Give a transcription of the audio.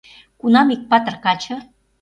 Кунам ик патыр каче